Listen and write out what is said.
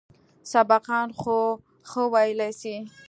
سبقان خو ښه ويلى سئ.